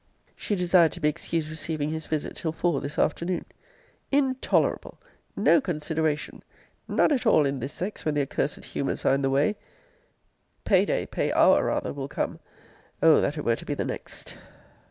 She desired to be excused receiving his visit till four this afternoon. Intolerable! No consideration! None at all in this sex, when their cursed humours are in the way! Pay day, pay hour, rather, will come! Oh! that it were to be the next!